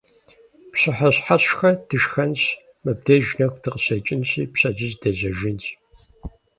Пщыхьэщхьэшхэ дышхэнщ, мыбдеж нэху дыкъыщекӀынщи, пщэдджыжь дежьэжынщ .